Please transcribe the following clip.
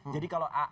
jadi kalau alasannya